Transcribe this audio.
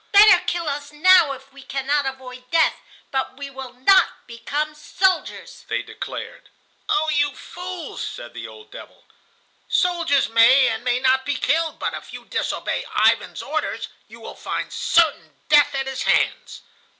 "Better kill us now if we cannot avoid death, but we will not become soldiers," they declared. "Oh! you fools," said the old devil, "soldiers may and may not be killed; but if you disobey Ivan's orders you will find certain death at his hands."